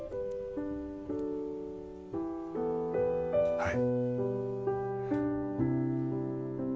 はい。